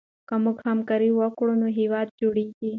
که موږ همکاري وکړو نو هېواد جوړېږي.